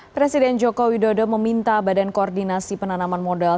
presiden joko widodo meminta badan koordinasi penanaman modal